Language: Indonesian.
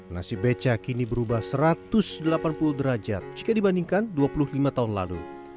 nasi beca kini berubah satu ratus delapan puluh derajat jika dibandingkan dua puluh lima tahun lalu